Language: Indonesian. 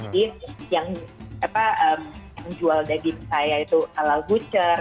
jadi yang jual daging saya itu ala butcher